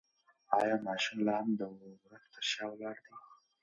ایا ماشوم لا هم د وره تر شا ولاړ دی؟